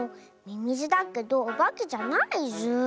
ミミズだけどおばけじゃないズー。